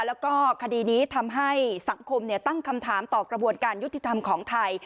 แล้วก็คดีนี้ทำให้สังคมตั้งคำถามต่อกระบวนการยุติธรรมของไทย